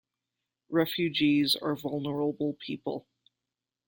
Refugees are vulnerable people.